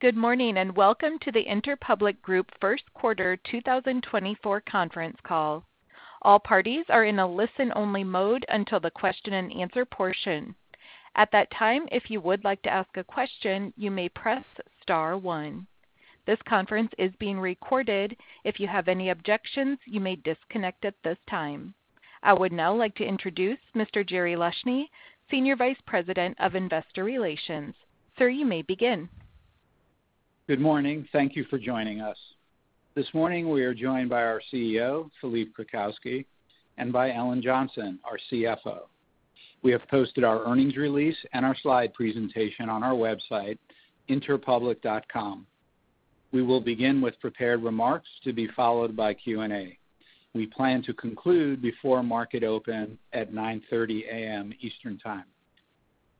Good morning and welcome to the Interpublic Group first quarter 2024 conference call. All parties are in a listen-only mode until the question-and-answer portion. At that time, if you would like to ask a question, you may press star one. This conference is being recorded. If you have any objections, you may disconnect at this time. I would now like to introduce Mr. Jerry Leshne, `Senior Vice President of Investor Relations. Sir, you may begin. Good morning. Thank you for joining us. This morning we are joined by our CEO, Philippe Krakowsky, and by Ellen Johnson, our CFO. We have posted our earnings release and our slide presentation on our website, interpublic.com. We will begin with prepared remarks to be followed by Q&A. We plan to conclude before market open at 9:30 A.M. Eastern Time.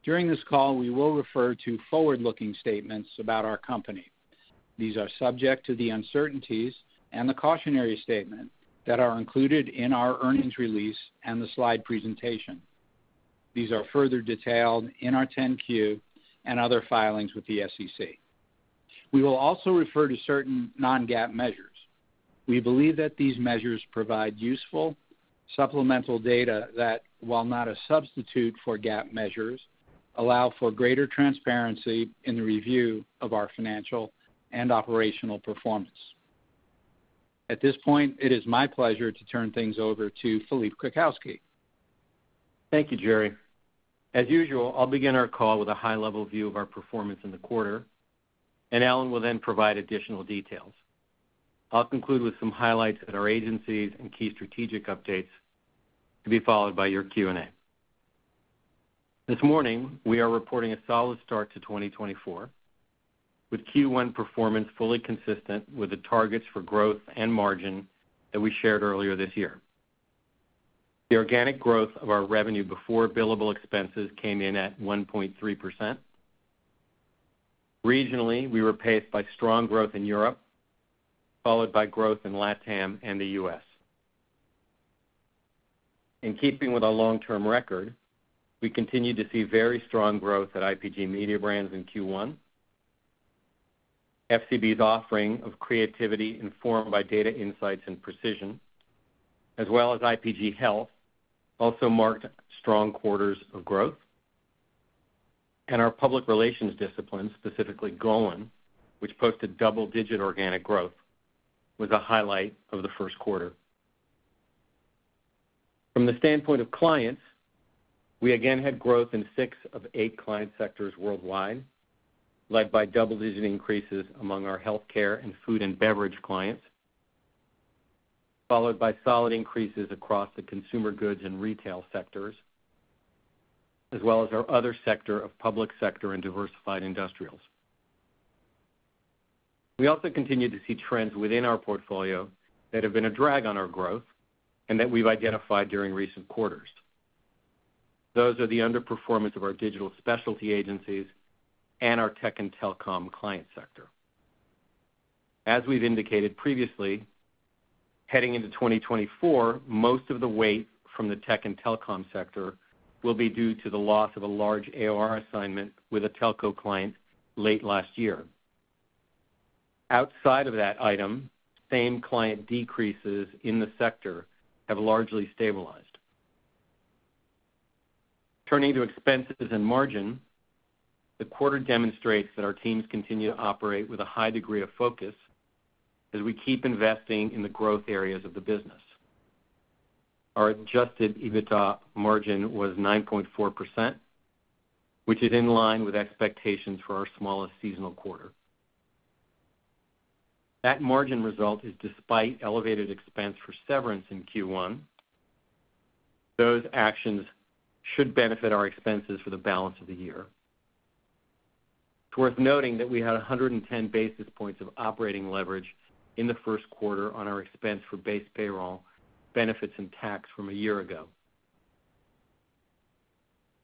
During this call, we will refer to forward-looking statements about our company. These are subject to the uncertainties and the cautionary statement that are included in our earnings release and the slide presentation. These are further detailed in our 10-Q and other filings with the SEC. We will also refer to certain non-GAAP measures. We believe that these measures provide useful, supplemental data that, while not a substitute for GAAP measures, allow for greater transparency in the review of our financial and operational performance. At this point, it is my pleasure to turn things over to Philippe Krakowsky. Thank you, Jerry. As usual, I'll begin our call with a high-level view of our performance in the quarter, and Ellen will then provide additional details. I'll conclude with some highlights at our agencies and key strategic updates to be followed by your Q&A. This morning, we are reporting a solid start to 2024 with Q1 performance fully consistent with the targets for growth and margin that we shared earlier this year. The organic growth of our revenue before billable expenses came in at 1.3%. Regionally, we were paced by strong growth in Europe, followed by growth in LATAM and the U.S. In keeping with our long-term record, we continue to see very strong growth at IPG Mediabrands in Q1. FCB's offering of creativity informed by data insights and precision, as well as IPG Health, also marked strong quarters of growth. Our public relations discipline, specifically Golin, which posted double-digit organic growth, was a highlight of the first quarter. From the standpoint of clients, we again had growth in six of eight client sectors worldwide, led by double-digit increases among our healthcare and food and beverage clients, followed by solid increases across the consumer goods and retail sectors, as well as our other sector of public sector and diversified industrials. We also continue to see trends within our portfolio that have been a drag on our growth and that we've identified during recent quarters. Those are the underperformance of our digital specialty agencies and our tech and telecom client sector. As we've indicated previously, heading into 2024, most of the weight from the tech and telecom sector will be due to the loss of a large AOR assignment with a telco client late last year. Outside of that item, same client decreases in the sector have largely stabilized. Turning to expenses and margin, the quarter demonstrates that our teams continue to operate with a high degree of focus as we keep investing in the growth areas of the business. Our adjusted EBITDA margin was 9.4%, which is in line with expectations for our smallest seasonal quarter. That margin result is despite elevated expense for severance in Q1. Those actions should benefit our expenses for the balance of the year. It's worth noting that we had 110 basis points of operating leverage in the first quarter on our expense for base payroll, benefits, and tax from a year ago.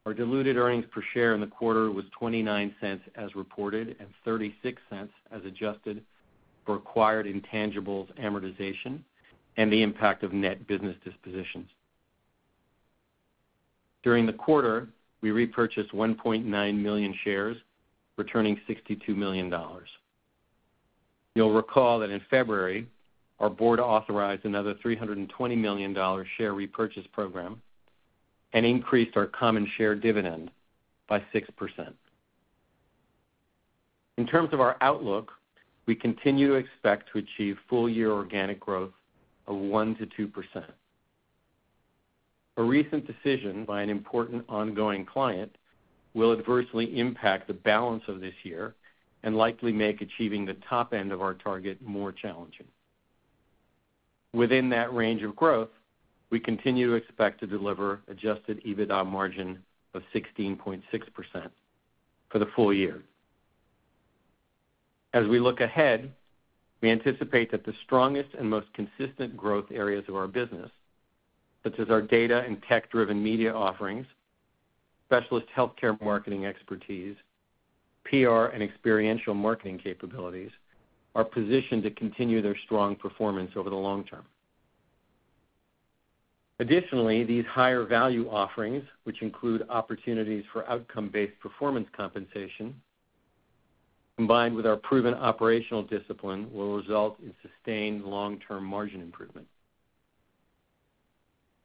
Our diluted earnings per share in the quarter was $0.29 as reported and $0.36 as adjusted for acquired intangibles amortization and the impact of net business dispositions. During the quarter, we repurchased 1.9 million shares, returning $62 million. You'll recall that in February, our board authorized another $320 million share repurchase program and increased our common share dividend by 6%. In terms of our outlook, we continue to expect to achieve full-year organic growth of 1%-2%. A recent decision by an important ongoing client will adversely impact the balance of this year and likely make achieving the top end of our target more challenging. Within that range of growth, we continue to expect to deliver adjusted EBITDA margin of 16.6% for the full year. As we look ahead, we anticipate that the strongest and most consistent growth areas of our business, such as our data and tech-driven media offerings, specialist healthcare marketing expertise, PR, and experiential marketing capabilities, are positioned to continue their strong performance over the long term. Additionally, these higher-value offerings, which include opportunities for outcome-based performance compensation, combined with our proven operational discipline, will result in sustained long-term margin improvement.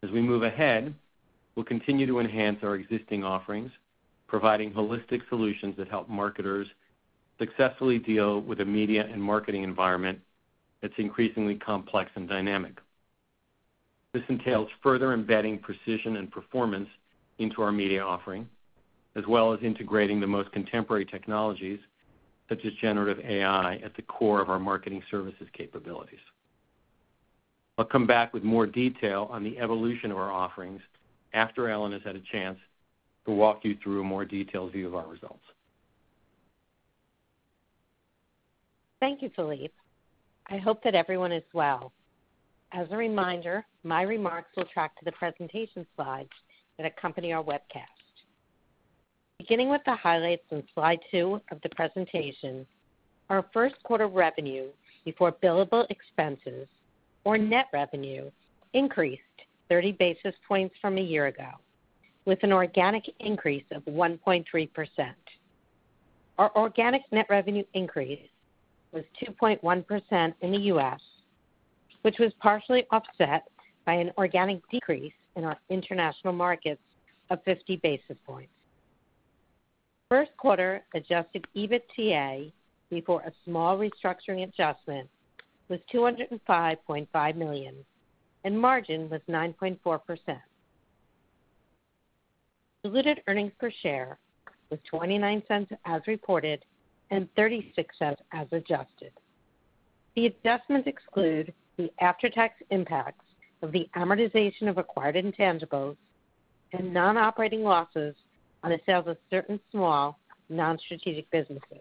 As we move ahead, we'll continue to enhance our existing offerings, providing holistic solutions that help marketers successfully deal with a media and marketing environment that's increasingly complex and dynamic. This entails further embedding precision and performance into our media offering, as well as integrating the most contemporary technologies, such as generative AI, at the core of our marketing services capabilities. I'll come back with more detail on the evolution of our offerings after Ellen has had a chance to walk you through a more detailed view of our results. Thank you, Philippe. I hope that everyone is well. As a reminder, my remarks will track to the presentation slides that accompany our webcast. Beginning with the highlights in slide two of the presentation, our first-quarter revenue before billable expenses, or net revenue, increased 30 basis points from a year ago, with an organic increase of 1.3%. Our organic net revenue increase was 2.1% in the U.S., which was partially offset by an organic decrease in our international markets of 50 basis points. First quarter adjusted EBITDA before a small restructuring adjustment was $205.5 million, and margin was 9.4%. Diluted earnings per share was $0.29 as reported and $0.36 as adjusted. The adjustments exclude the after-tax impacts of the amortization of acquired intangibles and non-operating losses on the sales of certain small, non-strategic businesses.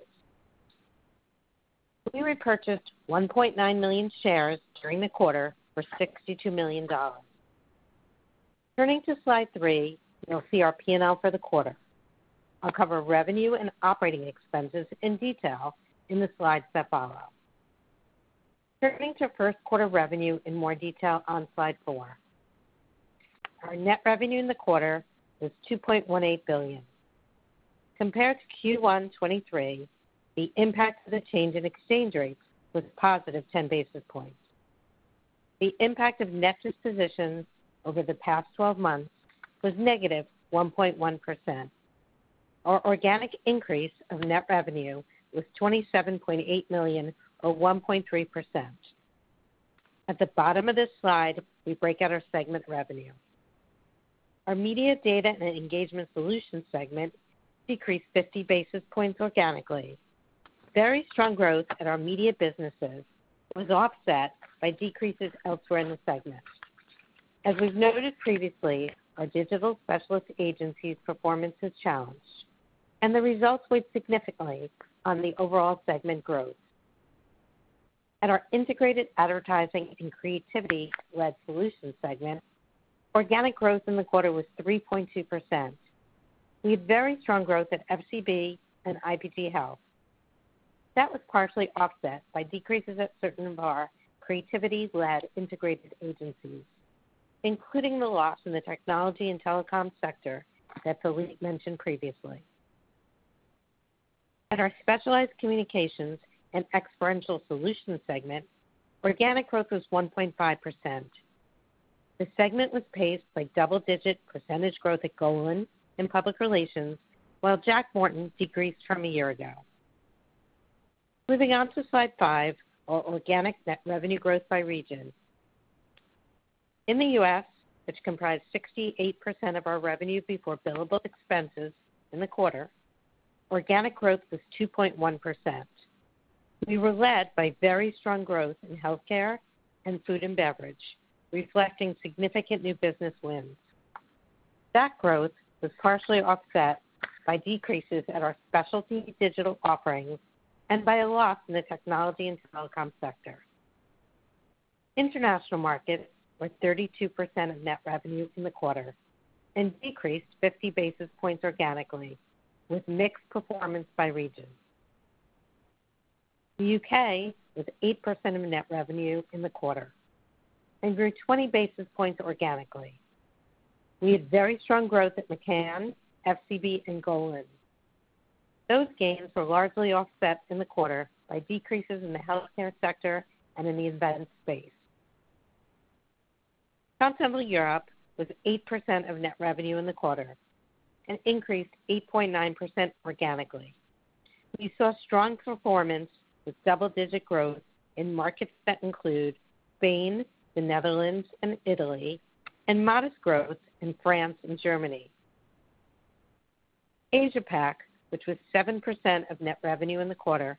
We repurchased 1.9 million shares during the quarter for $62 million. Turning to slide three, you'll see our P&L for the quarter. I'll cover revenue and operating expenses in detail in the slides that follow. Turning to first-quarter revenue in more detail on slide four, our net revenue in the quarter was $2.18 billion. Compared to Q1 2023, the impact of the change in exchange rates was positive 10 basis points. The impact of net dispositions over the past 12 months was -1.1%. Our organic increase of net revenue was $27.8 million or 1.3%. At the bottom of this slide, we break out our segment revenue. Our media data and engagement solutions segment decreased 50 basis points organically. Very strong growth at our media businesses was offset by decreases elsewhere in the segment. As we've noted previously, our digital specialist agencies' performance is challenged, and the results weighed significantly on the overall segment growth. At our integrated advertising and creativity-led solutions segment, organic growth in the quarter was 3.2%. We had very strong growth at FCB and IPG Health. That was partially offset by decreases at certain of our creativity-led integrated agencies, including the loss in the technology and telecom sector that Philippe mentioned previously. At our specialized communications and experiential solutions segment, organic growth was 1.5%. The segment was paced by double-digit percentage growth at Golin in public relations, while Jack Morton decreased from a year ago. Moving on to slide five, our organic net revenue growth by region. In the U.S., which comprised 68% of our revenue before billable expenses in the quarter, organic growth was 2.1%. We were led by very strong growth in healthcare and food and beverage, reflecting significant new business wins. That growth was partially offset by decreases at our specialty digital offerings and by a loss in the technology and telecom sector. International markets were 32% of net revenue in the quarter and decreased 50 basis points organically, with mixed performance by region. The U.K. was 8% of net revenue in the quarter and grew 20 basis points organically. We had very strong growth at McCann, FCB, and Golin. Those gains were largely offset in the quarter by decreases in the healthcare sector and in the events space. Continental Europe was 8% of net revenue in the quarter and increased 8.9% organically. We saw strong performance with double-digit growth in markets that include Spain, the Netherlands, and Italy, and modest growth in France and Germany. Asia-Pac, which was 7% of net revenue in the quarter,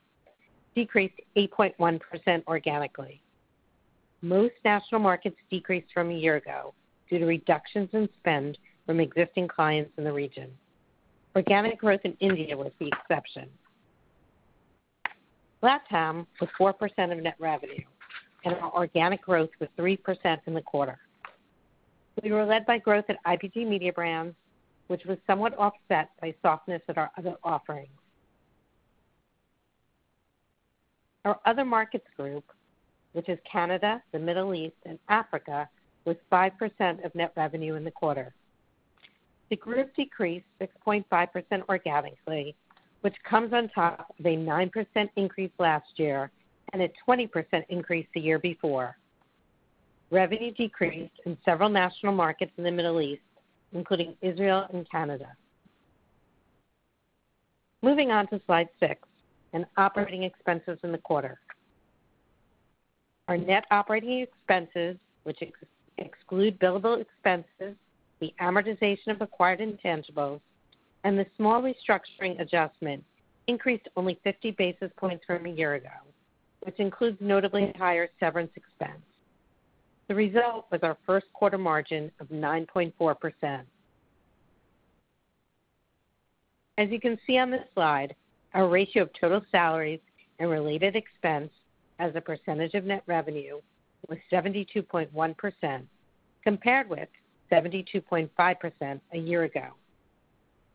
decreased 8.1% organically. Most national markets decreased from a year ago due to reductions in spend from existing clients in the region. Organic growth in India was the exception. LATAM was 4% of net revenue, and our organic growth was 3% in the quarter. We were led by growth at IPG Mediabrands, which was somewhat offset by softness at our other offerings. Our other markets group, which is Canada, the Middle East, and Africa, was 5% of net revenue in the quarter. The group decreased 6.5% organically, which comes on top of a 9% increase last year and a 20% increase the year before. Revenue decreased in several national markets in the Middle East, including Israel and Canada. Moving on to slide six and operating expenses in the quarter. Our net operating expenses, which exclude billable expenses, the amortization of acquired intangibles, and the small restructuring adjustment increased only 50 basis points from a year ago, which includes notably higher severance expense. The result was our first quarter margin of 9.4%. As you can see on this slide, our ratio of total salaries and related expense as a percentage of net revenue was 72.1%, compared with 72.5% a year ago.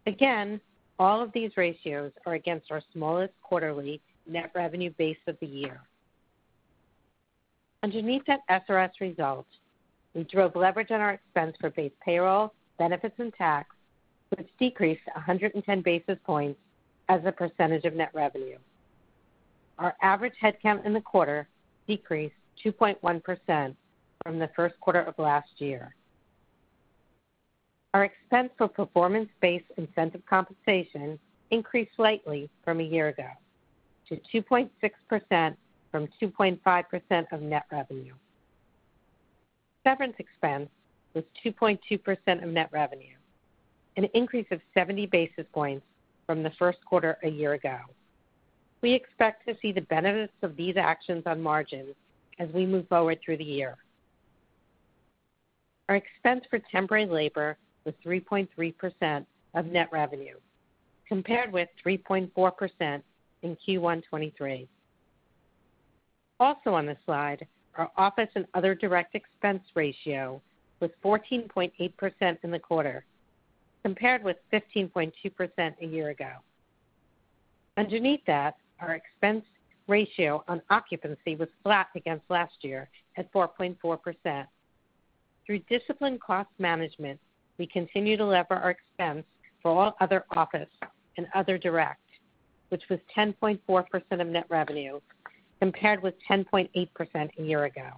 Again, all of these ratios are against our smallest quarterly net revenue base of the year. Underneath that SRS result, we drove leverage on our expense for base payroll, benefits, and tax, which decreased 110 basis points as a percentage of net revenue. Our average headcount in the quarter decreased 2.1% from the first quarter of last year. Our expense for performance-based incentive compensation increased slightly from a year ago to 2.6% from 2.5% of net revenue. Severance expense was 2.2% of net revenue, an increase of 70 basis points from the first quarter a year ago. We expect to see the benefits of these actions on margins as we move forward through the year. Our expense for temporary labor was 3.3% of net revenue, compared with 3.4% in Q1 2023. Also on this slide, our office and other direct expense ratio was 14.8% in the quarter, compared with 15.2% a year ago. Underneath that, our expense ratio on occupancy was flat against last year at 4.4%. Through disciplined cost management, we continue to leverage our expense for all other office and other direct, which was 10.4% of net revenue, compared with 10.8% a year ago.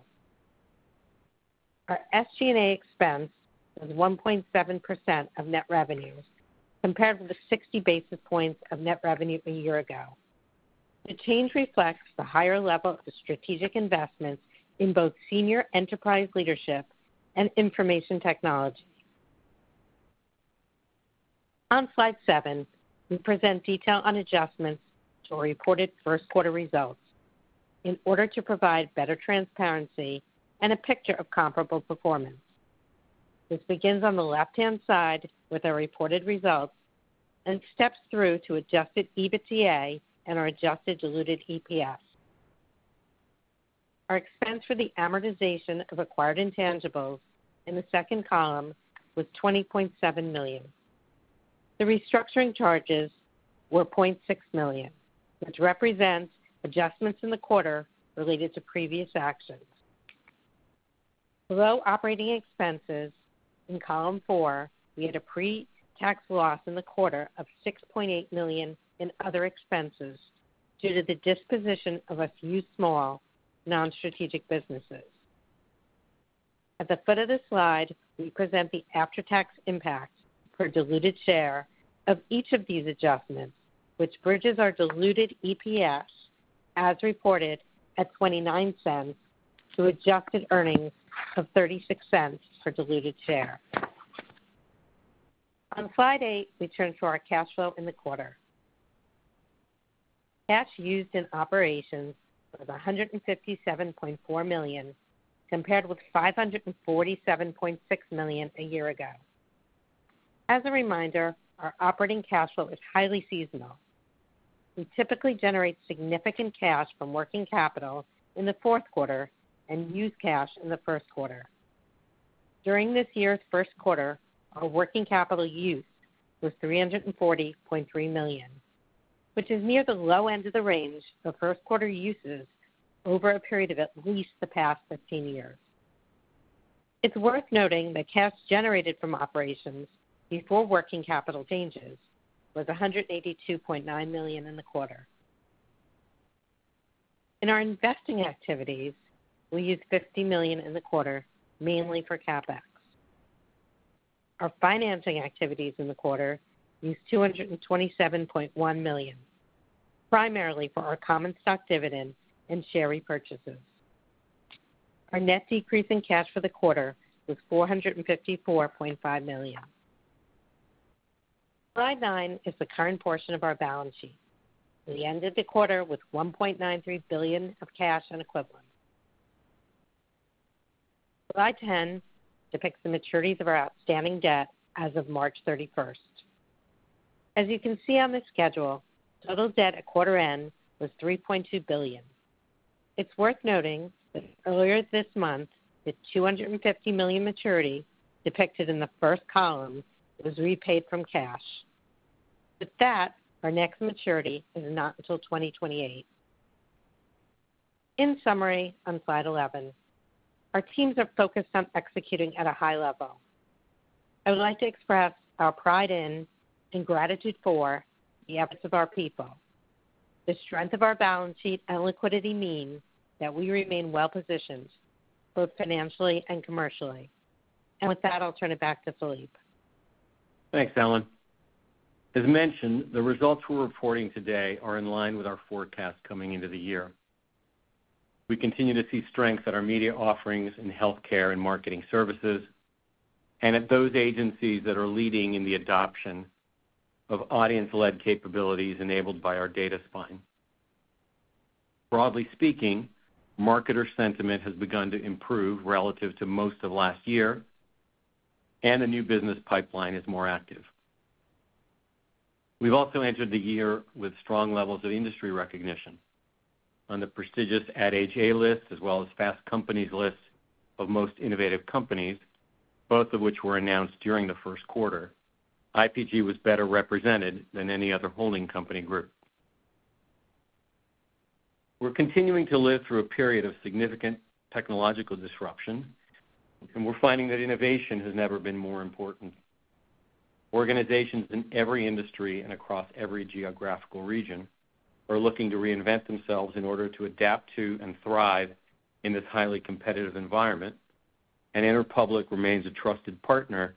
Our SG&A expense was 1.7% of net revenue, compared with 60 basis points of net revenue a year ago. The change reflects the higher level of the strategic investments in both senior enterprise leadership and information technology. On slide seven, we present detail on adjustments to our reported first-quarter results in order to provide better transparency and a picture of comparable performance. This begins on the left-hand side with our reported results and steps through to adjusted EBITDA and our adjusted diluted EPS. Our expense for the amortization of acquired intangibles in the second column was $20.7 million. The restructuring charges were $0.6 million, which represents adjustments in the quarter related to previous actions. Below operating expenses, in column four, we had a pre-tax loss in the quarter of $6.8 million in other expenses due to the disposition of a few small, non-strategic businesses. At the foot of this slide, we present the after-tax impact per diluted share of each of these adjustments, which bridges our diluted EPS as reported at $0.29 to adjusted earnings of $0.36 per diluted share. On slide eight, we turn to our cash flow in the quarter. Cash used in operations was $157.4 million, compared with $547.6 million a year ago. As a reminder, our operating cash flow is highly seasonal. We typically generate significant cash from working capital in the fourth quarter and use cash in the first quarter. During this year's first quarter, our working capital use was $340.3 million, which is near the low end of the range of first-quarter uses over a period of at least the past 15 years. It's worth noting that cash generated from operations before working capital changes was $182.9 million in the quarter. In our investing activities, we used $50 million in the quarter mainly for CapEx. Our financing activities in the quarter used $227.1 million, primarily for our common stock dividend and share repurchases. Our net decrease in cash for the quarter was $454.5 million. Slide nine is the current portion of our balance sheet. We ended the quarter with $1.93 billion of cash and equivalent. Slide 10 depicts the maturities of our outstanding debt as of March 31st. As you can see on this schedule, total debt at quarter end was $3.2 billion. It's worth noting that earlier this month, the $250 million maturity depicted in the first column was repaid from cash. With that, our next maturity is not until 2028. In summary on slide 11, our teams are focused on executing at a high level. I would like to express our pride in and gratitude for the efforts of our people. The strength of our balance sheet and liquidity means that we remain well-positioned, both financially and commercially. With that, I'll turn it back to Philippe. Thanks, Ellen. As mentioned, the results we're reporting today are in line with our forecast coming into the year. We continue to see strengths at our media offerings in healthcare and marketing services and at those agencies that are leading in the adoption of audience-led capabilities enabled by our data spine. Broadly speaking, marketer sentiment has begun to improve relative to most of last year, and the new business pipeline is more active. We've also entered the year with strong levels of industry recognition. On the prestigious Ad Age A-List as well as Fast Company's list of most innovative companies, both of which were announced during the first quarter, IPG was better represented than any other holding company group. We're continuing to live through a period of significant technological disruption, and we're finding that innovation has never been more important. Organizations in every industry and across every geographical region are looking to reinvent themselves in order to adapt to and thrive in this highly competitive environment, and Interpublic remains a trusted partner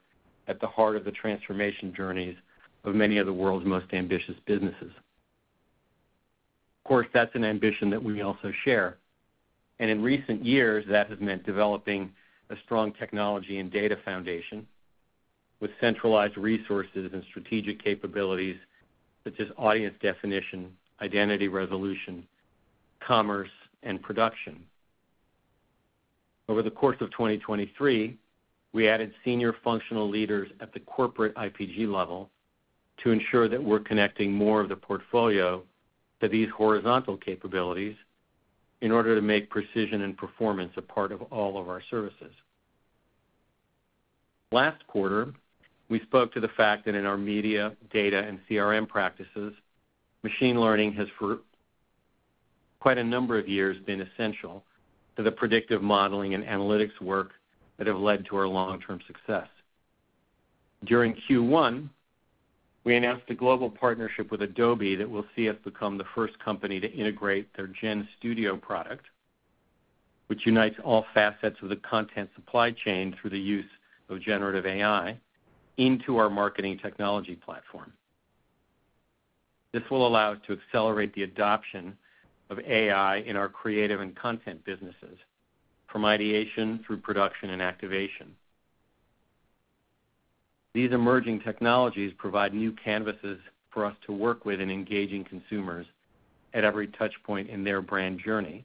at the heart of the transformation journeys of many of the world's most ambitious businesses. Of course, that's an ambition that we also share. And in recent years, that has meant developing a strong technology and data foundation with centralized resources and strategic capabilities such as audience definition, identity resolution, commerce, and production. Over the course of 2023, we added senior functional leaders at the corporate IPG level to ensure that we're connecting more of the portfolio to these horizontal capabilities in order to make precision and performance a part of all of our services. Last quarter, we spoke to the fact that in our media, data, and CRM practices, machine learning has for quite a number of years been essential to the predictive modeling and analytics work that have led to our long-term success. During Q1, we announced a global partnership with Adobe that will see us become the first company to integrate their GenStudio product, which unites all facets of the content supply chain through the use of generative AI, into our marketing technology platform. This will allow us to accelerate the adoption of AI in our creative and content businesses, from ideation through production and activation. These emerging technologies provide new canvases for us to work with and engage consumers at every touchpoint in their brand journey,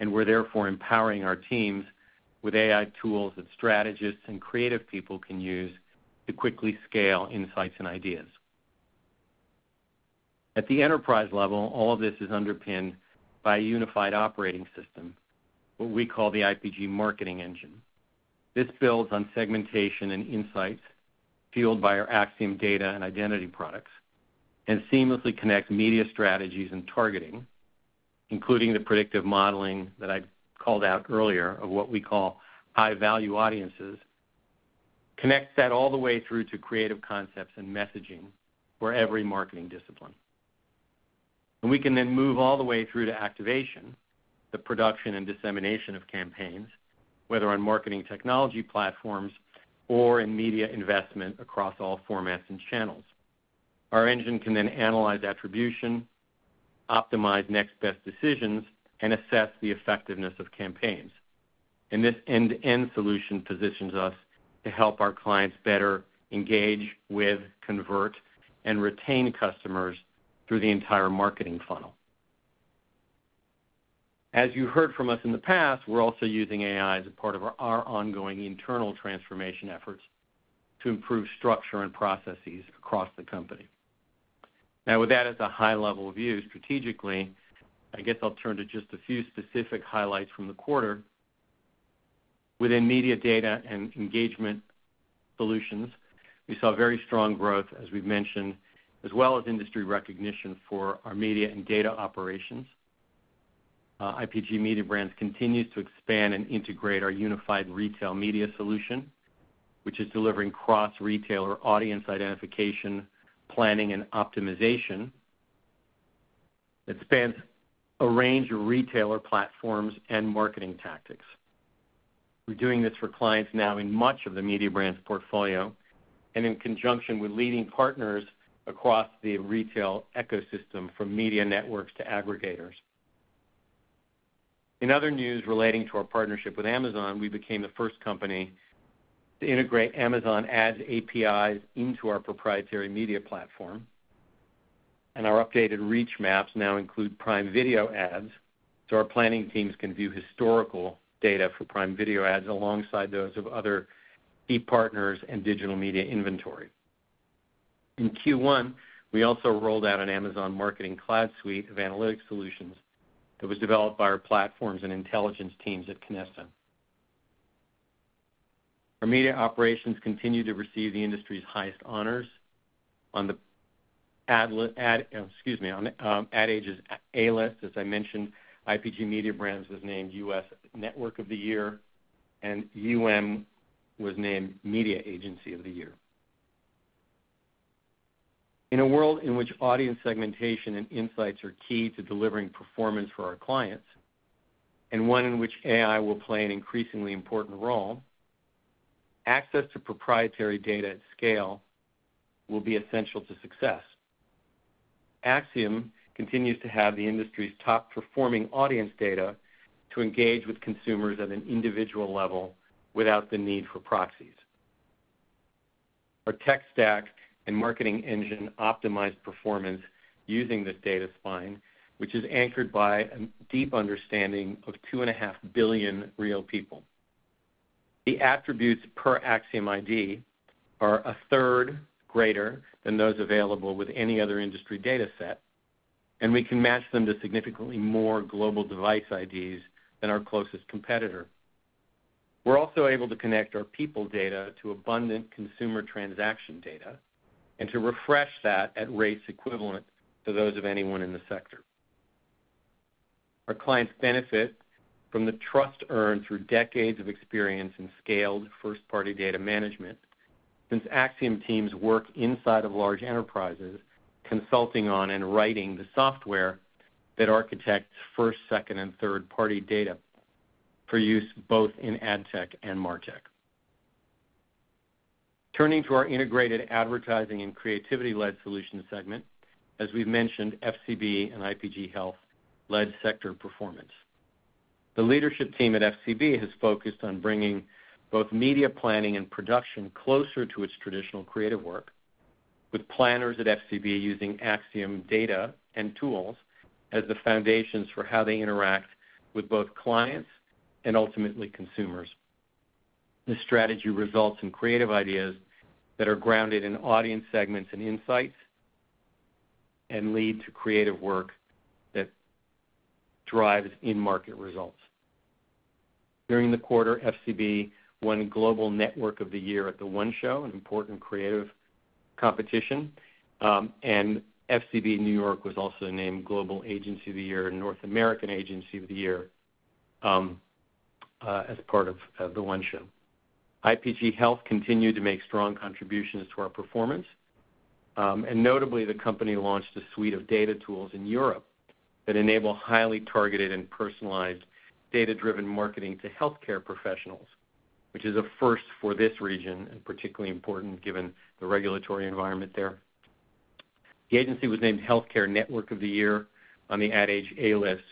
and we're therefore empowering our teams with AI tools that strategists and creative people can use to quickly scale insights and ideas. At the enterprise level, all of this is underpinned by a unified operating system, what we call the IPG marketing engine. This builds on segmentation and insights fueled by our Acxiom data and identity products and seamlessly connects media strategies and targeting, including the predictive modeling that I called out earlier of what we call high-value audiences, connects that all the way through to creative concepts and messaging for every marketing discipline. And we can then move all the way through to activation, the production and dissemination of campaigns, whether on marketing technology platforms or in media investment across all formats and channels. Our engine can then analyze attribution, optimize next best decisions, and assess the effectiveness of campaigns. This end-to-end solution positions us to help our clients better engage with, convert, and retain customers through the entire marketing funnel. As you've heard from us in the past, we're also using AI as a part of our ongoing internal transformation efforts to improve structure and processes across the company. Now, with that as a high-level view strategically, I guess I'll turn to just a few specific highlights from the quarter. Within media data and engagement solutions, we saw very strong growth, as we've mentioned, as well as industry recognition for our media and data operations. IPG Mediabrands continues to expand and integrate our unified retail media solution, which is delivering cross-retailer audience identification, planning, and optimization that spans a range of retailer platforms and marketing tactics. We're doing this for clients now in much of the Mediabrands' portfolio and in conjunction with leading partners across the retail ecosystem, from media networks to aggregators. In other news relating to our partnership with Amazon, we became the first company to integrate Amazon Ads APIs into our proprietary media platform. Our updated reach maps now include Prime Video Ads, so our planning teams can view historical data for Prime Video Ads alongside those of other key partners and digital media inventory. In Q1, we also rolled out an Amazon Marketing Cloud suite of analytics solutions that was developed by our platforms and intelligence teams at KINESSO. Our media operations continue to receive the industry's highest honors on the Ad Age A-List. As I mentioned, IPG Mediabrands was named U.S. Network of the Year, and UM was named Media Agency of the Year. In a world in which audience segmentation and insights are key to delivering performance for our clients and one in which AI will play an increasingly important role, access to proprietary data at scale will be essential to success. Acxiom continues to have the industry's top-performing audience data to engage with consumers at an individual level without the need for proxies. Our tech stack and marketing engine optimize performance using this data spine, which is anchored by a deep understanding of 2.5 billion real people. The attributes per Acxiom ID are a third greater than those available with any other industry data set, and we can match them to significantly more global device IDs than our closest competitor. We're also able to connect our people data to abundant consumer transaction data and to refresh that at rates equivalent to those of anyone in the sector. Our clients benefit from the trust earned through decades of experience in scaled first-party data management since Acxiom teams work inside of large enterprises consulting on and writing the software that architects first, second, and third-party data for use both in Adtech and Martech. Turning to our integrated advertising and creativity-led solutions segment, as we've mentioned, FCB and IPG Health led sector performance. The leadership team at FCB has focused on bringing both media planning and production closer to its traditional creative work, with planners at FCB using Acxiom data and tools as the foundations for how they interact with both clients and ultimately consumers. This strategy results in creative ideas that are grounded in audience segments and insights and lead to creative work that drives in-market results. During the quarter, FCB won Global Network of the Year at the One Show, an important creative competition, and FCB New York was also named Global Agency of the Year and North American Agency of the Year as part of the One Show. IPG Health continued to make strong contributions to our performance. And notably, the company launched a suite of data tools in Europe that enable highly targeted and personalized data-driven marketing to healthcare professionals, which is a first for this region and particularly important given the regulatory environment there. The agency was named Healthcare Network of the Year on the Ad Age A-List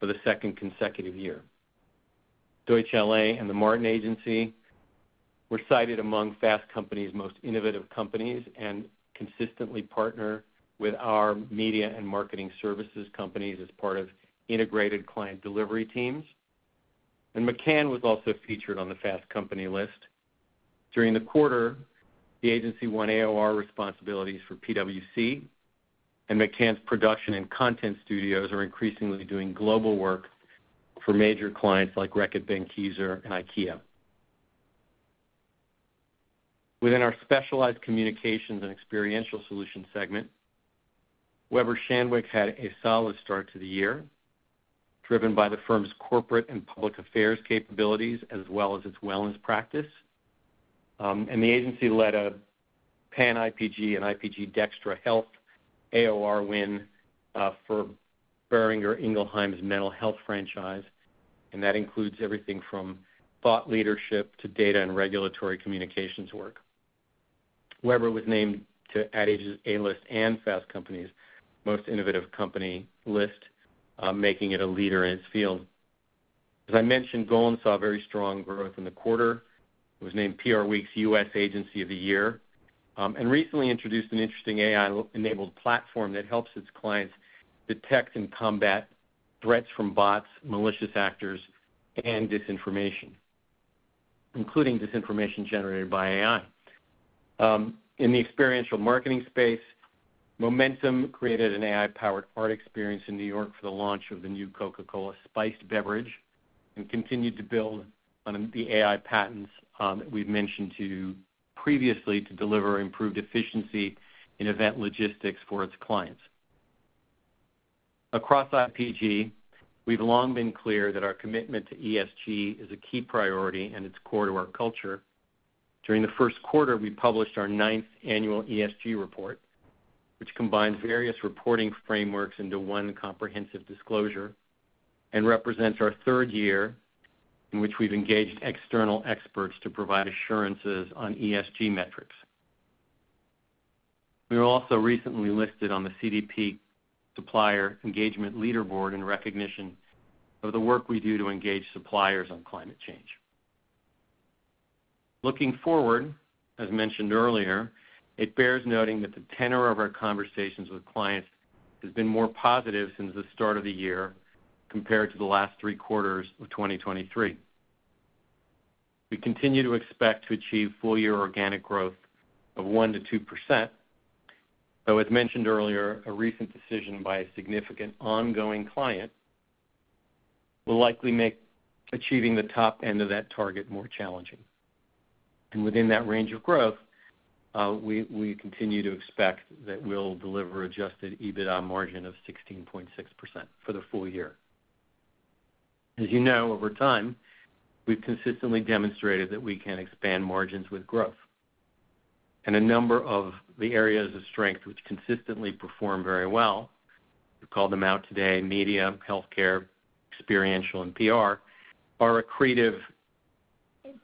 for the second consecutive year. Deutsch LA and The Martin Agency were cited among Fast Company's most innovative companies and consistently partner with our media and marketing services companies as part of integrated client delivery teams. And McCann was also featured on the Fast Company list. During the quarter, the agency won AOR responsibilities for PwC, and McCann's production and content studios are increasingly doing global work for major clients like Reckitt Benckiser and IKEA. Within our specialized communications and experiential solutions segment, Weber Shandwick had a solid start to the year, driven by the firm's corporate and public affairs capabilities as well as its wellness practice. The agency led a pan-IPG and IPG DXTRA Health AOR win for Boehringer Ingelheim's mental health franchise. That includes everything from thought leadership to data and regulatory communications work. Weber Shandwick was named to Ad Age A-List and Fast Company's most innovative company list, making it a leader in its field. As I mentioned, Golin saw very strong growth in the quarter. It was named PRWeek's U.S. Agency of the Year and recently introduced an interesting AI-enabled platform that helps its clients detect and combat threats from bots, malicious actors, and disinformation, including disinformation generated by AI. In the experiential marketing space, Momentum created an AI-powered art experience in New York for the launch of the new Coca-Cola Spiced beverage and continued to build on the AI patents that we've mentioned previously to deliver improved efficiency in event logistics for its clients. Across IPG, we've long been clear that our commitment to ESG is a key priority and it's core to our culture. During the first quarter, we published our ninth annual ESG report, which combines various reporting frameworks into one comprehensive disclosure and represents our third year in which we've engaged external experts to provide assurances on ESG metrics. We were also recently listed on the CDP Supplier Engagement Leaderboard in recognition of the work we do to engage suppliers on climate change. Looking forward, as mentioned earlier, it bears noting that the tenor of our conversations with clients has been more positive since the start of the year compared to the last three quarters of 2023. We continue to expect to achieve full-year organic growth of 1%-2%. Though, as mentioned earlier, a recent decision by a significant ongoing client will likely make achieving the top end of that target more challenging. And within that range of growth, we continue to expect that we'll deliver adjusted EBITDA margin of 16.6% for the full year. As you know, over time, we've consistently demonstrated that we can expand margins with growth. A number of the areas of strength which consistently perform very well, we've called them out today: media, healthcare, experiential, and PR, are accretive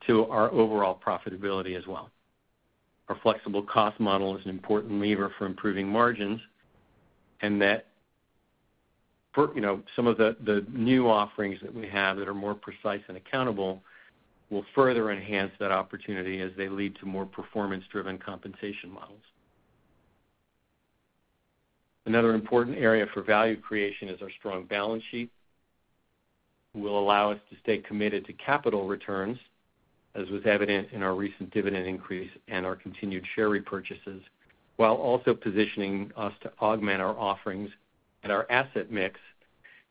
to our overall profitability as well. Our flexible cost model is an important lever for improving margins and that some of the new offerings that we have that are more precise and accountable will further enhance that opportunity as they lead to more performance-driven compensation models. Another important area for value creation is our strong balance sheet will allow us to stay committed to capital returns, as was evident in our recent dividend increase and our continued share repurchases, while also positioning us to augment our offerings and our asset mix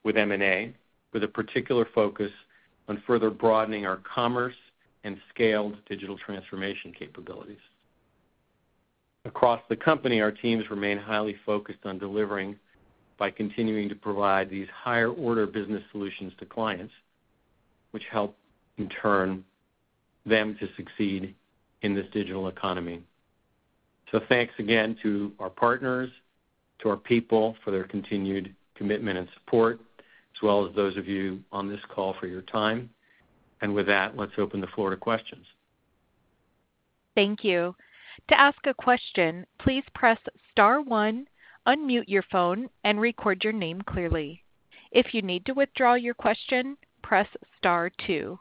with M&A, with a particular focus on further broadening our commerce and scaled digital transformation capabilities. Across the company, our teams remain highly focused on delivering by continuing to provide these higher-order business solutions to clients, which help, in turn, them to succeed in this digital economy. So thanks again to our partners, to our people for their continued commitment and support, as well as those of you on this call for your time. And with that, let's open the floor to questions. Thank you. To ask a question, please press star one, unmute your phone, and record your name clearly. If you need to withdraw your question, press star two.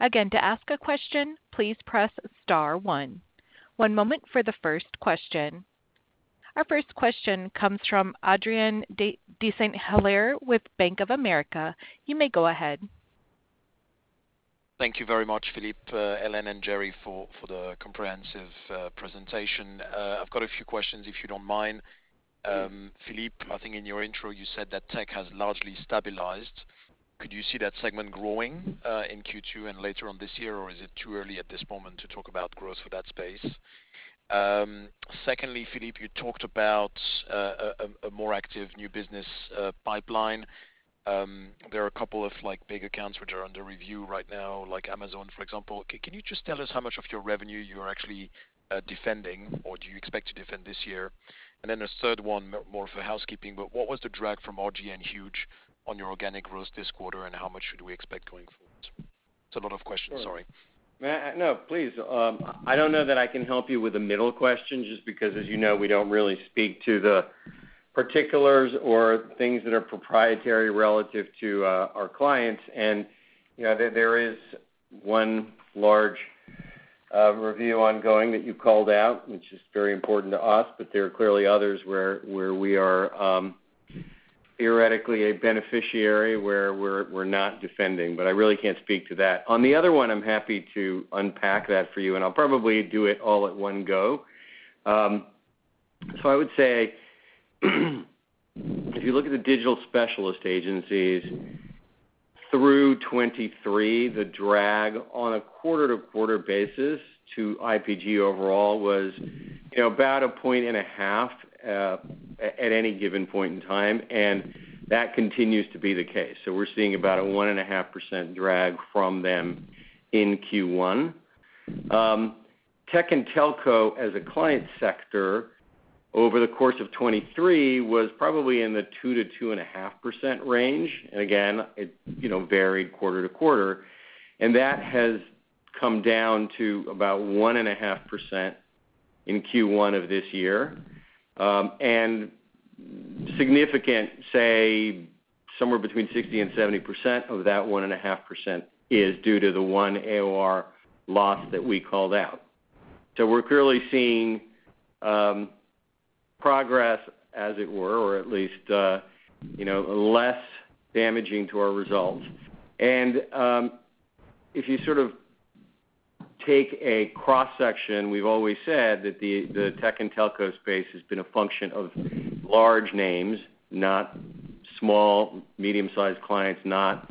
Again, to ask a question, please press star one. One moment for the first question. Our first question comes from Adrien de Saint Hilaire with Bank of America. You may go ahead. Thank you very much, Philippe, Ellen, and Jerry, for the comprehensive presentation. I've got a few questions, if you don't mind. Philippe, I think in your intro, you said that tech has largely stabilized. Could you see that segment growing in Q2 and later on this year, or is it too early at this moment to talk about growth for that space? Secondly, Philippe, you talked about a more active new business pipeline. There are a couple of big accounts which are under review right now, like Amazon, for example. Can you just tell us how much of your revenue you are actually defending, or do you expect to defend this year? And then a third one, more for housekeeping, but what was the drag from R/GA and Huge on your organic growth this quarter, and how much should we expect going forward? It's a lot of questions, sorry. No, please. I don't know that I can help you with a middle question just because, as you know, we don't really speak to the particulars or things that are proprietary relative to our clients. And there is one large review ongoing that you called out, which is very important to us, but there are clearly others where we are theoretically a beneficiary where we're not defending. But I really can't speak to that. On the other one, I'm happy to unpack that for you, and I'll probably do it all at one go. So I would say if you look at the digital specialist agencies, through 2023, the drag on a quarter-to-quarter basis to IPG overall was about a point and a half at any given point in time, and that continues to be the case. So we're seeing about a 1.5% drag from them in Q1. Tech and telco, as a client sector, over the course of 2023 was probably in the 2%-2.5% range. And again, it varied quarter to quarter. And that has come down to about 1.5% in Q1 of this year. And significant, say, somewhere between 60% and 70% of that 1.5% is due to the one AOR loss that we called out. So we're clearly seeing progress, as it were, or at least less damaging to our results. And if you sort of take a cross-section, we've always said that the tech and telco space has been a function of large names, not small, medium-sized clients, not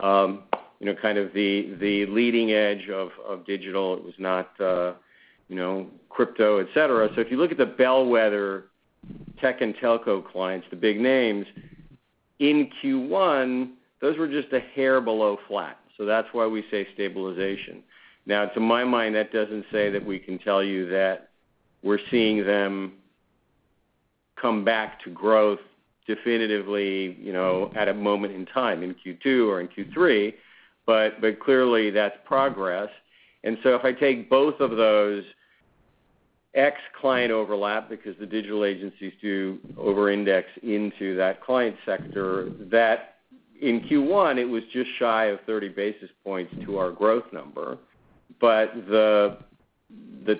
kind of the leading edge of digital. It was not crypto, etc. So if you look at the bellwether tech and telco clients, the big names, in Q1, those were just a hair below flat. So that's why we say stabilization. Now, to my mind, that doesn't say that we can tell you that we're seeing them come back to growth definitively at a moment in time, in Q2 or in Q3, but clearly, that's progress. And so if I take both of those tech client overlap because the digital agencies do over-index into that client sector, that in Q1, it was just shy of 30 basis points to our growth number. But the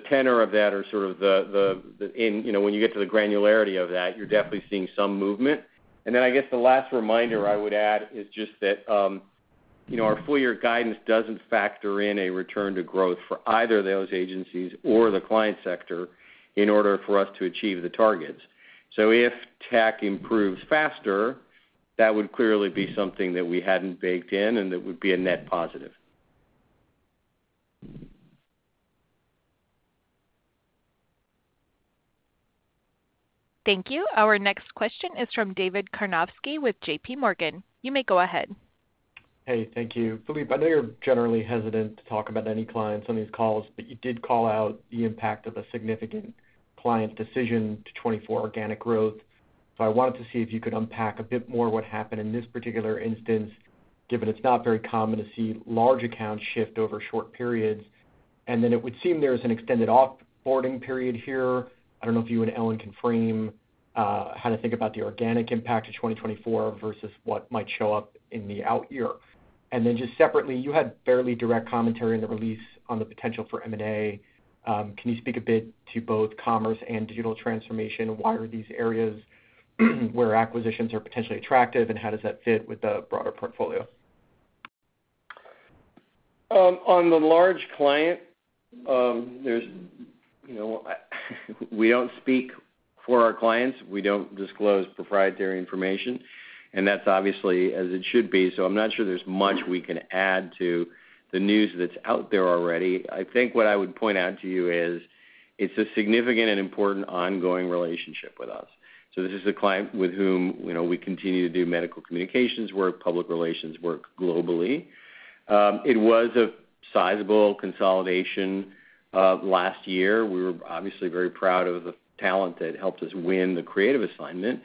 tenor of that or sort of the when you get to the granularity of that, you're definitely seeing some movement. And then I guess the last reminder I would add is just that our full-year guidance doesn't factor in a return to growth for either those agencies or the client sector in order for us to achieve the targets. If tech improves faster, that would clearly be something that we hadn't baked in and that would be a net positive. Thank you. Our next question is from David Karnovsky with JPMorgan. You may go ahead. Hey, thank you. Philippe, I know you're generally hesitant to talk about any clients on these calls, but you did call out the impact of a significant client decision to 2024 organic growth. So I wanted to see if you could unpack a bit more what happened in this particular instance, given it's not very common to see large accounts shift over short periods. And then it would seem there's an extended offboarding period here. I don't know if you and Ellen can frame how to think about the organic impact of 2024 versus what might show up in the out year. And then just separately, you had fairly direct commentary in the release on the potential for M&A. Can you speak a bit to both commerce and digital transformation? Why are these areas where acquisitions are potentially attractive, and how does that fit with the broader portfolio? On the large client, we don't speak for our clients. We don't disclose proprietary information. And that's obviously as it should be. So I'm not sure there's much we can add to the news that's out there already. I think what I would point out to you is it's a significant and important ongoing relationship with us. So this is a client with whom we continue to do medical communications work, public relations work globally. It was a sizable consolidation last year. We were obviously very proud of the talent that helped us win the creative assignment.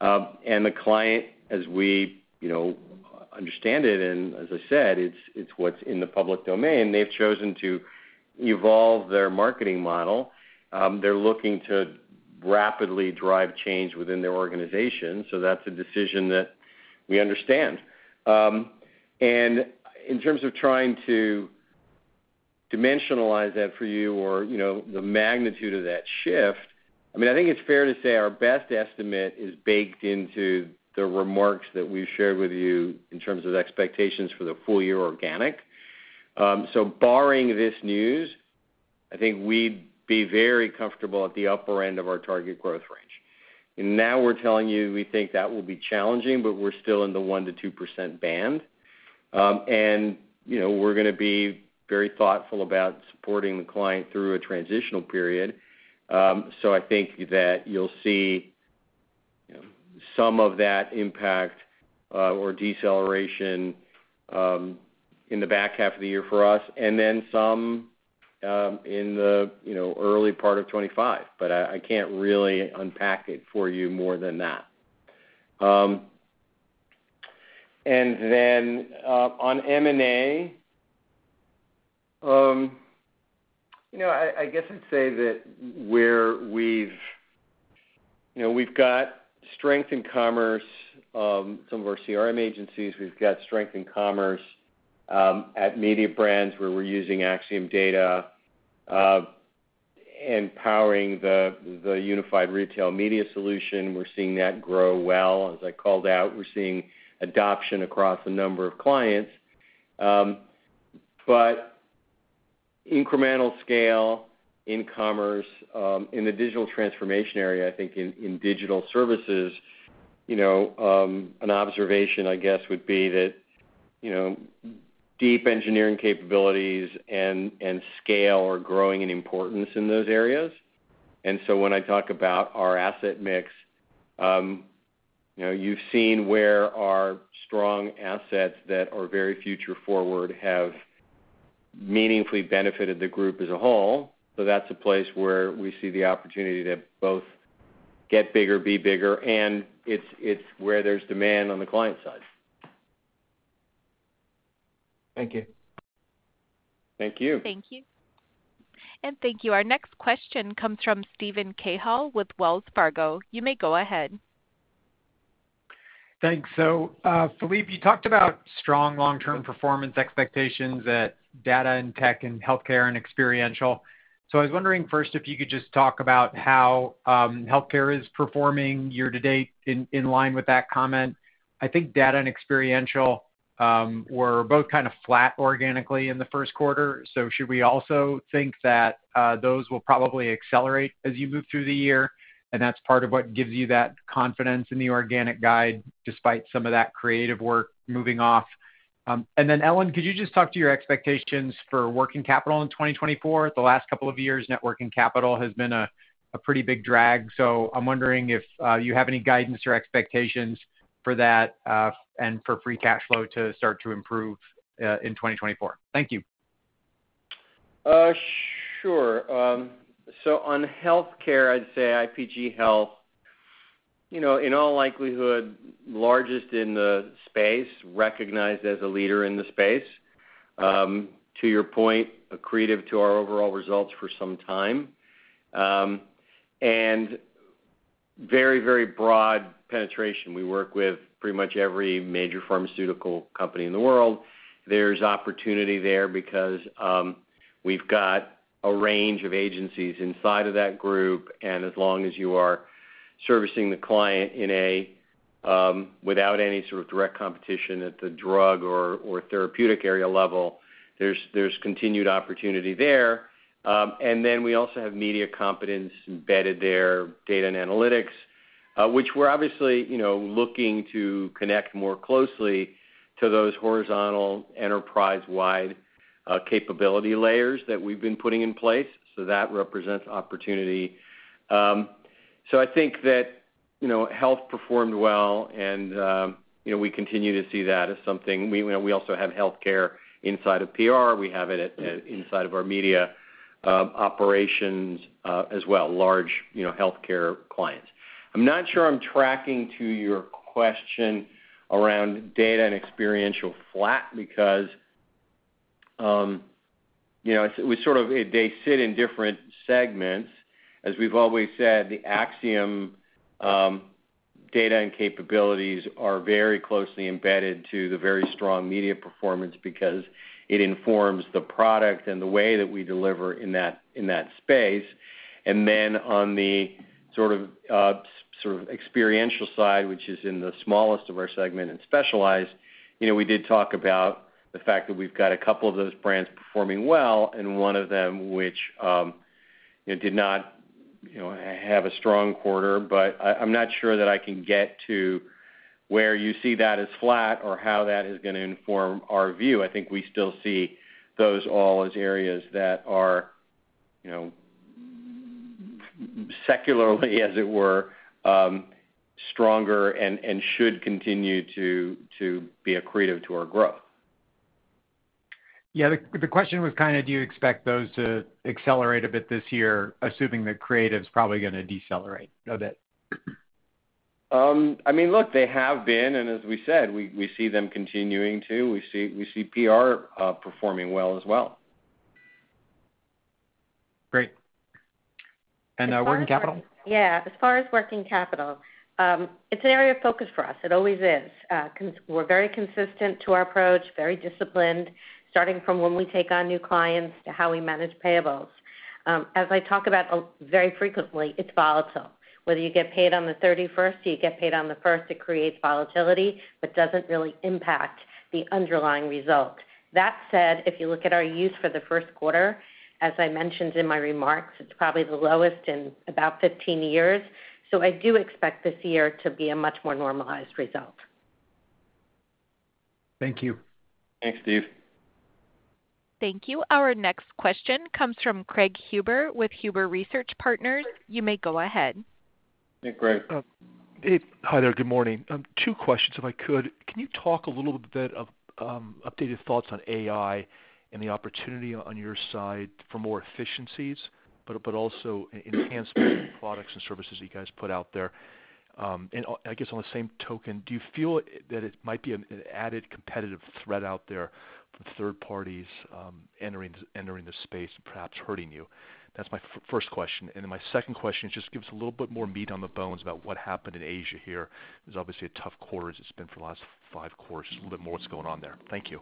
And the client, as we understand it, and as I said, it's what's in the public domain, they've chosen to evolve their marketing model. They're looking to rapidly drive change within their organization. So that's a decision that we understand. In terms of trying to dimensionalize that for you or the magnitude of that shift, I mean, I think it's fair to say our best estimate is baked into the remarks that we've shared with you in terms of expectations for the full-year organic. Barring this news, I think we'd be very comfortable at the upper end of our target growth range. And now we're telling you we think that will be challenging, but we're still in the 1%-2% band. And we're going to be very thoughtful about supporting the client through a transitional period. So I think that you'll see some of that impact or deceleration in the back half of the year for us and then some in the early part of 2025. But I can't really unpack it for you more than that. Then on M&A, I guess I'd say that where we've got strength in commerce, some of our CRM agencies, we've got strength in commerce at Mediabrands where we're using Acxiom data empowering the unified retail media solution. We're seeing that grow well. As I called out, we're seeing adoption across a number of clients. But incremental scale in commerce in the digital transformation area, I think in digital services, an observation, I guess, would be that deep engineering capabilities and scale are growing in importance in those areas. And so when I talk about our asset mix, you've seen where our strong assets that are very future-forward have meaningfully benefited the group as a whole. So that's a place where we see the opportunity to both get bigger, be bigger, and it's where there's demand on the client side. Thank you. Thank you. Thank you. And thank you. Our next question comes from Steven Cahall with Wells Fargo. You may go ahead. Thanks. So Philippe, you talked about strong long-term performance expectations at data and tech and healthcare and experiential. So I was wondering first if you could just talk about how healthcare is performing year-to-date in line with that comment. I think data and experiential were both kind of flat organically in the first quarter. So should we also think that those will probably accelerate as you move through the year? And that's part of what gives you that confidence in the organic guide despite some of that creative work moving off. And then Ellen, could you just talk to your expectations for working capital in 2024? The last couple of years, net working capital has been a pretty big drag. So I'm wondering if you have any guidance or expectations for that and for free cash flow to start to improve in 2024. Thank you. Sure. So on healthcare, I'd say IPG Health, in all likelihood, largest in the space, recognized as a leader in the space, to your point, accretive to our overall results for some time, and very, very broad penetration. We work with pretty much every major pharmaceutical company in the world. There's opportunity there because we've got a range of agencies inside of that group. And as long as you are servicing the client without any sort of direct competition at the drug or therapeutic area level, there's continued opportunity there. And then we also have media competence embedded there, data and analytics, which we're obviously looking to connect more closely to those horizontal enterprise-wide capability layers that we've been putting in place. So that represents opportunity. So I think that health performed well, and we continue to see that as something we also have healthcare inside of PR. We have it inside of our media operations as well, large healthcare clients. I'm not sure I'm tracking to your question around data and experiential flat because it was sort of they sit in different segments. As we've always said, the Acxiom data and capabilities are very closely embedded to the very strong media performance because it informs the product and the way that we deliver in that space. And then on the sort of experiential side, which is in the smallest of our segment and specialized, we did talk about the fact that we've got a couple of those brands performing well and one of them which did not have a strong quarter. But I'm not sure that I can get to where you see that as flat or how that is going to inform our view. I think we still see those all as areas that are secularly, as it were, stronger and should continue to be a creative to our growth. Yeah. The question was kind of, do you expect those to accelerate a bit this year, assuming that creative's probably going to decelerate a bit? I mean, look, they have been. As we said, we see them continuing to. We see PR performing well as well. Great. And working capital? Yeah. As far as working capital, it's an area of focus for us. It always is. We're very consistent to our approach, very disciplined, starting from when we take on new clients to how we manage payables. As I talk about very frequently, it's volatile. Whether you get paid on the 31st or you get paid on the 1st, it creates volatility but doesn't really impact the underlying result. That said, if you look at our use for the first quarter, as I mentioned in my remarks, it's probably the lowest in about 15 years. So I do expect this year to be a much more normalized result. Thank you. Thanks, Steve. Thank you. Our next question comes from Craig Huber with Huber Research Partners. You may go ahead. Hey, Craig. Hi there. Good morning. Two questions, if I could. Can you talk a little bit of updated thoughts on AI and the opportunity on your side for more efficiencies, but also enhancement of products and services that you guys put out there? And I guess on the same token, do you feel that it might be an added competitive threat out there from third parties entering the space and perhaps hurting you? That's my first question. And then my second question is just give us a little bit more meat on the bones about what happened in Asia here. It's obviously a tough quarter. It's been for the last five quarters. Just a little bit more what's going on there. Thank you.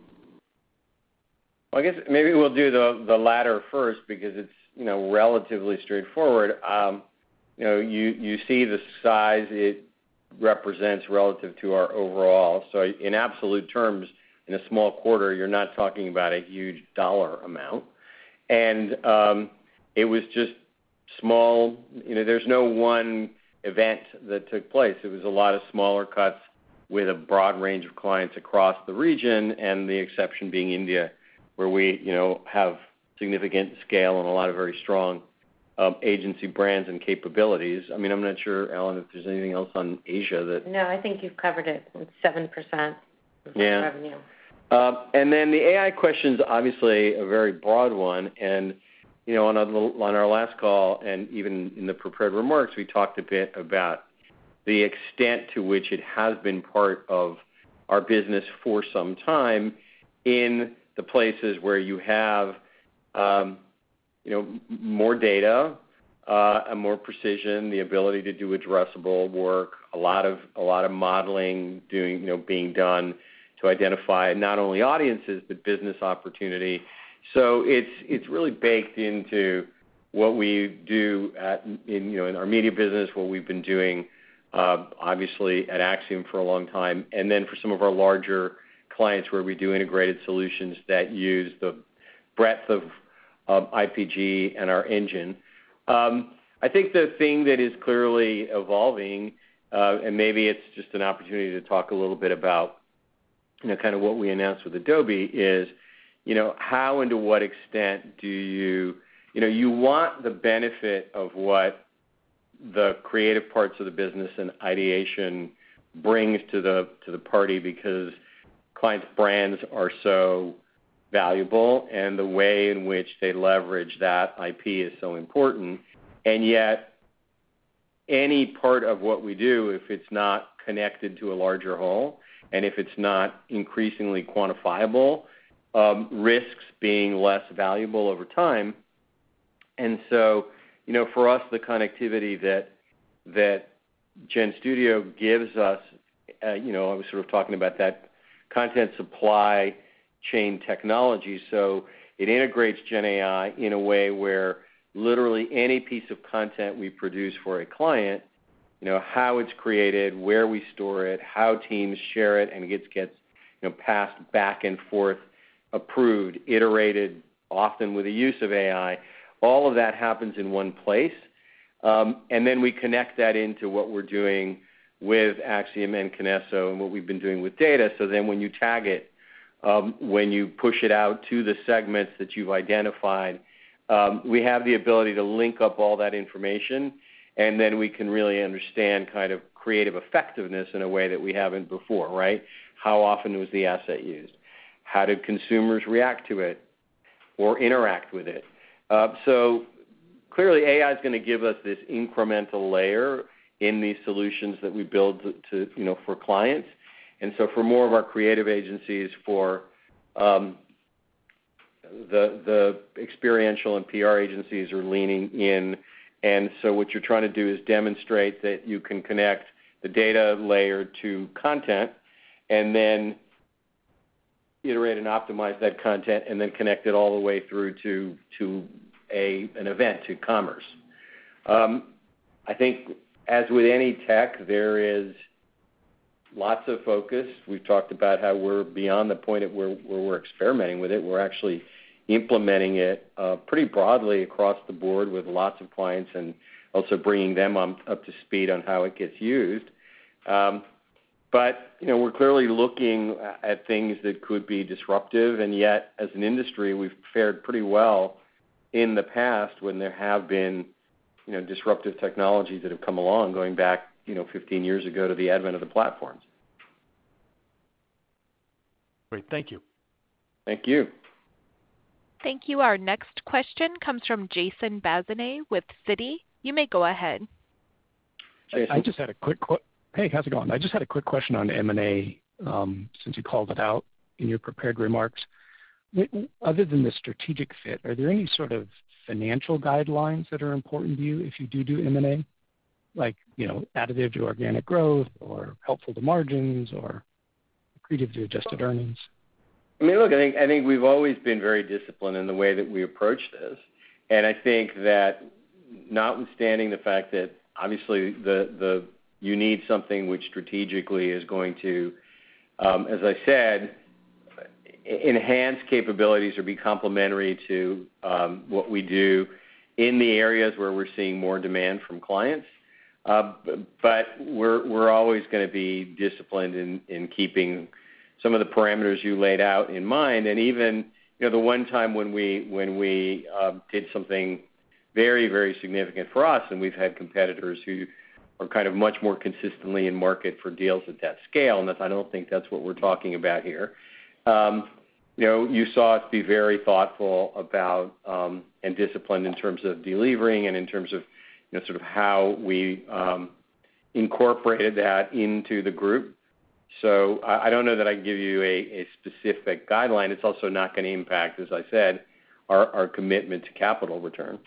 Well, I guess maybe we'll do the latter first because it's relatively straightforward. You see the size it represents relative to our overall. So in absolute terms, in a small quarter, you're not talking about a huge dollar amount. And it was just small. There's no one event that took place. It was a lot of smaller cuts with a broad range of clients across the region, and the exception being India where we have significant scale and a lot of very strong agency brands and capabilities. I mean, I'm not sure, Ellen, if there's anything else on Asia that. No, I think you've covered it. It's 7% of revenue. Yeah. And then the AI question's obviously a very broad one. And on our last call and even in the prepared remarks, we talked a bit about the extent to which it has been part of our business for some time in the places where you have more data, more precision, the ability to do addressable work, a lot of modeling being done to identify not only audiences but business opportunity. So it's really baked into what we do in our media business, what we've been doing, obviously, at Acxiom for a long time, and then for some of our larger clients where we do integrated solutions that use the breadth of IPG and our engine. I think the thing that is clearly evolving, and maybe it's just an opportunity to talk a little bit about kind of what we announced with Adobe, is how and to what extent do you want the benefit of what the creative parts of the business and ideation brings to the party because clients' brands are so valuable, and the way in which they leverage that IP is so important. And yet, any part of what we do, if it's not connected to a larger whole and if it's not increasingly quantifiable, risks being less valuable over time. And so for us, the connectivity that GenStudio gives us I was sort of talking about that content supply chain technology. So it integrates GenAI in a way where literally any piece of content we produce for a client, how it's created, where we store it, how teams share it, and it gets passed back and forth, approved, iterated, often with the use of AI, all of that happens in one place. And then we connect that into what we're doing with Acxiom and KINESSO and what we've been doing with data. So then when you tag it, when you push it out to the segments that you've identified, we have the ability to link up all that information. And then we can really understand kind of creative effectiveness in a way that we haven't before, right? How often was the asset used? How did consumers react to it or interact with it? So clearly, AI is going to give us this incremental layer in these solutions that we build for clients. And so for more of our creative agencies, for the experiential and PR agencies are leaning in. And so what you're trying to do is demonstrate that you can connect the data layer to content and then iterate and optimize that content and then connect it all the way through to an event, to commerce. I think as with any tech, there is lots of focus. We've talked about how we're beyond the point where we're experimenting with it. We're actually implementing it pretty broadly across the board with lots of clients and also bringing them up to speed on how it gets used. But we're clearly looking at things that could be disruptive. And yet, as an industry, we've fared pretty well in the past when there have been disruptive technologies that have come along going back 15 years ago to the advent of the platforms. Great. Thank you. Thank you. Thank you. Our next question comes from Jason Bazinet with Citi. You may go ahead. Jason, I just had a quick hey, how's it going? I just had a quick question on M&A since you called it out in your prepared remarks. Other than the strategic fit, are there any sort of financial guidelines that are important to you if you do do M&A, like additive to organic growth or helpful to margins or creative to adjusted earnings? I mean, look, I think we've always been very disciplined in the way that we approach this. And I think that notwithstanding the fact that obviously, you need something which strategically is going to, as I said, enhance capabilities or be complementary to what we do in the areas where we're seeing more demand from clients. But we're always going to be disciplined in keeping some of the parameters you laid out in mind. And even the one time when we did something very, very significant for us and we've had competitors who are kind of much more consistently in market for deals at that scale - and I don't think that's what we're talking about here - you saw us be very thoughtful about and disciplined in terms of delivering and in terms of sort of how we incorporated that into the group. I don't know that I can give you a specific guideline. It's also not going to impact, as I said, our commitment to capital return.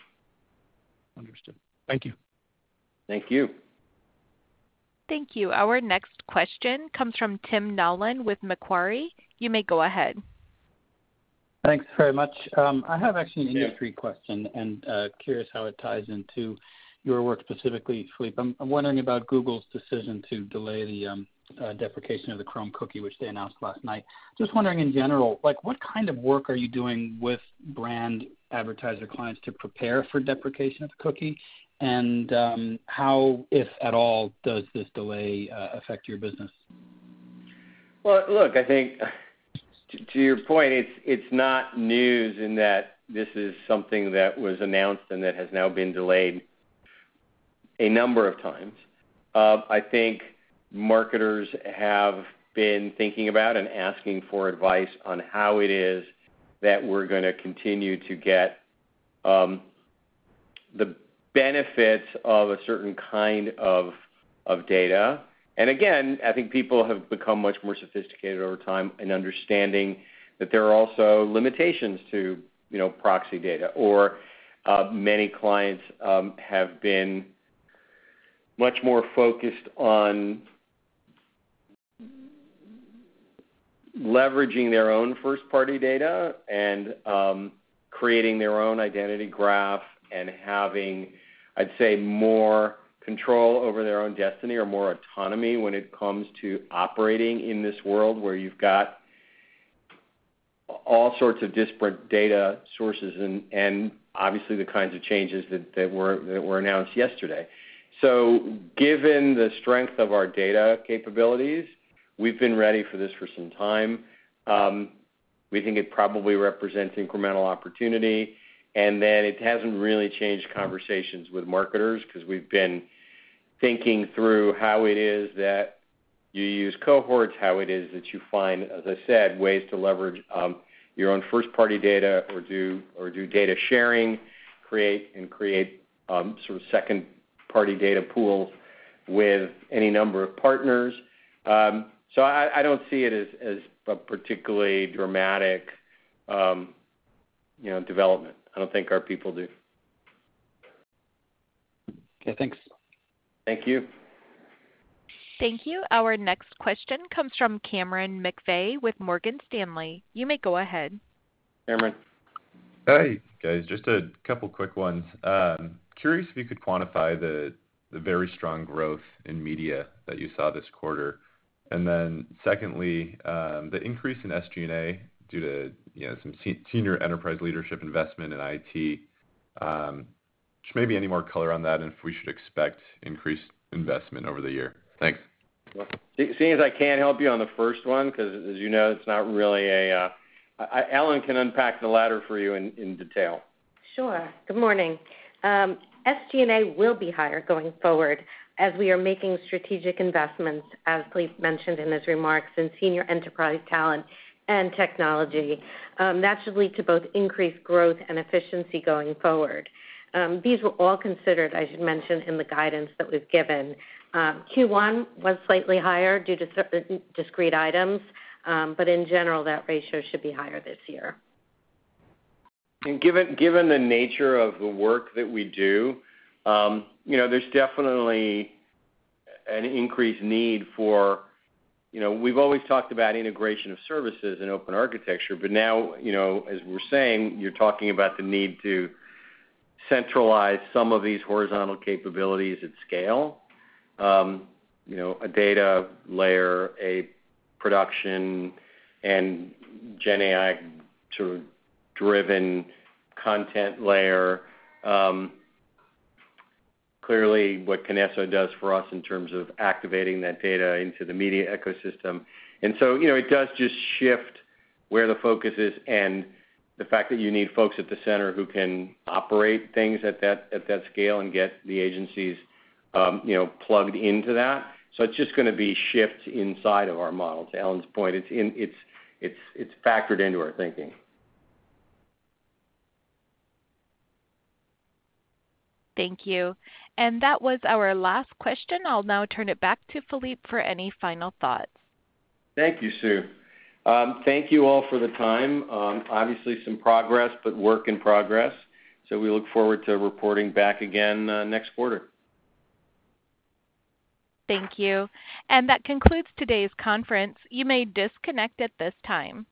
Understood. Thank you. Thank you. Thank you. Our next question comes from Tim Nollen with Macquarie. You may go ahead. Thanks very much. I have actually an industry question and curious how it ties into your work specifically, Philippe. I'm wondering about Google's decision to delay the deprecation of the Chrome cookie, which they announced last night. Just wondering in general, what kind of work are you doing with brand advertiser clients to prepare for deprecation of the cookie? And how, if at all, does this delay affect your business? Well, look, I think to your point, it's not news in that this is something that was announced and that has now been delayed a number of times. I think marketers have been thinking about and asking for advice on how it is that we're going to continue to get the benefits of a certain kind of data. And again, I think people have become much more sophisticated over time in understanding that there are also limitations to proxy data. Or many clients have been much more focused on leveraging their own first-party data and creating their own identity graph and having, I'd say, more control over their own destiny or more autonomy when it comes to operating in this world where you've got all sorts of disparate data sources and obviously, the kinds of changes that were announced yesterday. So given the strength of our data capabilities, we've been ready for this for some time. We think it probably represents incremental opportunity. And then it hasn't really changed conversations with marketers because we've been thinking through how it is that you use cohorts, how it is that you find, as I said, ways to leverage your own first-party data or do data sharing, create and create sort of second-party data pools with any number of partners. So I don't see it as a particularly dramatic development. I don't think our people do. Okay. Thanks. Thank you. Thank you. Our next question comes from Cameron McVeigh with Morgan Stanley. You may go ahead. Cameron. Hey, guys. Just a couple of quick ones. Curious if you could quantify the very strong growth in media that you saw this quarter? And then secondly, the increase in SG&A due to some senior enterprise leadership investment in IT. Just maybe any more color on that and if we should expect increased investment over the year? Thanks. Seeing as I can't help you on the first one because, as you know, it's not really. Ellen can unpack the latter for you in detail. Sure. Good morning. SG&A will be higher going forward as we are making strategic investments, as Philippe mentioned in his remarks, in senior enterprise talent and technology. That should lead to both increased growth and efficiency going forward. These were all considered, as you mentioned, in the guidance that was given. Q1 was slightly higher due to discrete items. In general, that ratio should be higher this year. Given the nature of the work that we do, there's definitely an increased need for what we've always talked about: integration of services and open architecture. But now, as we're saying, you're talking about the need to centralize some of these horizontal capabilities at scale, a data layer, a production, and GenAI sort of driven content layer. Clearly, what KINESSO does for us in terms of activating that data into the media ecosystem. And so it does just shift where the focus is and the fact that you need folks at the center who can operate things at that scale and get the agencies plugged into that. So it's just going to be shifts inside of our model. To Ellen's point, it's factored into our thinking. Thank you. That was our last question. I'll now turn it back to Philippe for any final thoughts. Thank you, Sue. Thank you all for the time. Obviously, some progress, but work in progress. So we look forward to reporting back again next quarter. Thank you. And that concludes today's conference. You may disconnect at this time.